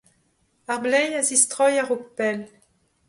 Ar bleiz a zistroy a-raok pell.